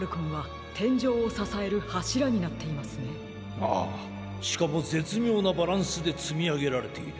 ああしかもぜつみょうなバランスでつみあげられている。